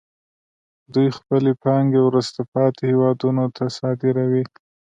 دوی خپلې پانګې وروسته پاتې هېوادونو ته صادروي